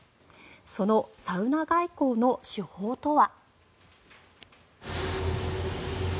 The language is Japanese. そのサウナ外交の手法とは。